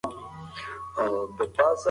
ګړندۍ منډه وهل کالوري سوځوي.